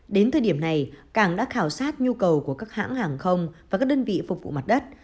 đến thời điểm này cảng đã khảo sát nhu cầu của các hãng hàng không và các đơn vị phục vụ mặt đất